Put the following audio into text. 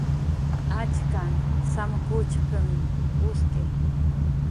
"Achkan samkuchp""mn uski"